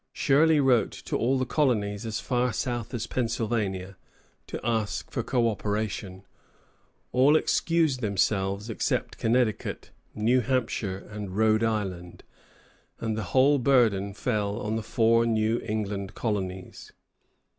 Shirley wrote to all the colonies, as far south as Pennsylvania, to ask for co operation. All excused themselves except Connecticut, New Hampshire, and Rhode Island, and the whole burden fell on the four New England colonies.